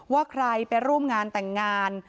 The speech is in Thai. ว่าใครไปร่วมงานแต่งงาน